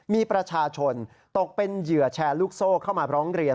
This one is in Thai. มีประชาชนตกเป็นเหยื่อแชร์ลูกโซ่เข้ามาร้องเรียน